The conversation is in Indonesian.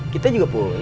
kita juga punya ya kan